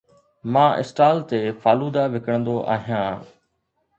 مان اسٽال تي فالودا وڪڻندو آهيان